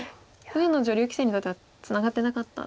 上野女流棋聖にとってはツナがってなかった。